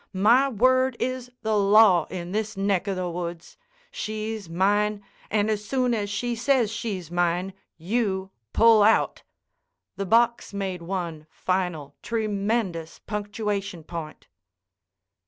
My word is the law in this neck o' the woods. She's mine, and as soon as she says she's mine, you pull out." The box made one final, tremendous punctuation point.